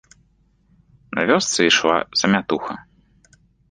На вёсцы ішла замятуха.